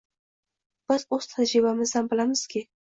biz o‘z tajribamizdan bilamizki